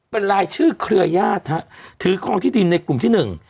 เป็นรายชื่อเครือญาติฮะถือคลองที่ดินในกลุ่มที่หนึ่ง